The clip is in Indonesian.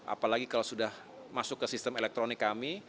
apalagi kalau sudah masuk ke sistem elektronik kami